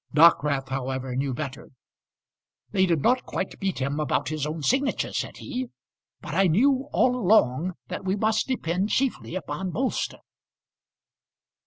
Dockwrath, however, knew better. "They did not quite beat him about his own signature," said he; "but I knew all along that we must depend chiefly upon Bolster."